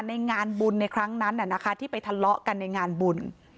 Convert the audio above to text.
ในงานบุญในครั้งนั้นที่ไปทะเลาะกันในงานบุญ